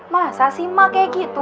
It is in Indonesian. masa sih mah kayak gitu